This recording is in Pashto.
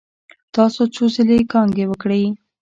تاسو څو ځلې کانګې وکړې؟